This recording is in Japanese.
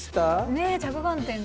ねえ着眼点が。